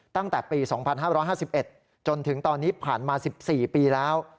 ตั้งแต่ปี๒๕๕๑จนถึงตอนนี้ผ่านมา๑๔ปีแล้ว